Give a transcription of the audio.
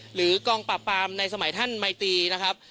หรือกองปราบปรามในสมัยท่านมัยตีนะครับ